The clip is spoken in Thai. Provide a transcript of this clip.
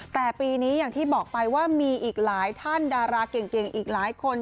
แต่ปีนี้อย่างที่บอกไปว่ามีอีกหลายท่านดาราเก่งอีกหลายคน